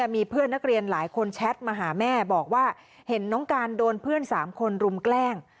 มีเพื่อนนักเรียนหลายคนแชทมาหาแม่บอกว่าเห็นน้องการโดนเพื่อน๓คนรุมแกล้ง